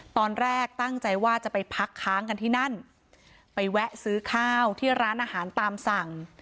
ตอนแรกตั้งใจว่าจะไปพักค้างกันที่นั่นไปแวะซื้อข้าวที่ร้านอาหารตามสั่ง